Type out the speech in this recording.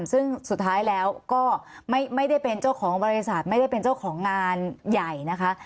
ซึ่งสุดท้ายแล้วก็ไม่ได้เป็นเจ้าของบริษัทไม่ได้เป็นเจ้าของงานใหญ่นะคะ